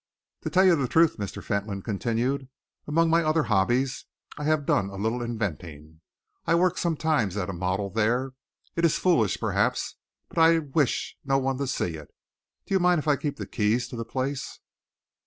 "To tell you the truth," Mr. Fentolin continued, "among my other hobbies I have done a little inventing. I work sometimes at a model there. It is foolish, perhaps, but I wish no one to see it. Do you mind if I keep the keys of the place?"